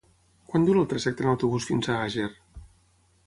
Quant dura el trajecte en autobús fins a Àger?